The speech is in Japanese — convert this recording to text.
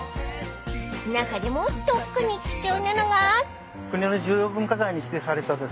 ［中でも特に貴重なのが］